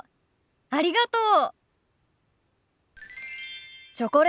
ありがとう。